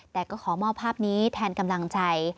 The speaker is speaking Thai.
แต่ก็ขอมอบภาพนี้แทนกำลังใจ